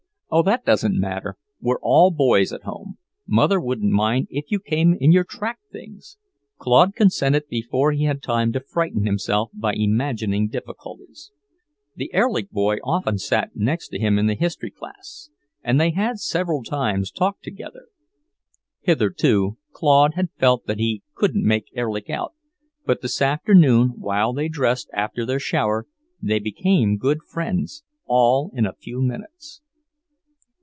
"Oh, that doesn't matter! We're all boys at home. Mother wouldn't mind if you came in your track things." Claude consented before he had time to frighten himself by imagining difficulties. The Erlich boy often sat next him in the history class, and they had several times talked together. Hitherto Claude had felt that he "couldn't make Erlich out," but this afternoon, while they dressed after their shower, they became good friends, all in a few minutes.